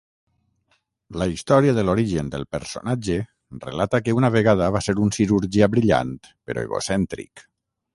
La història de l'origen del personatge relata que una vegada va ser un cirurgià brillant però egocèntric.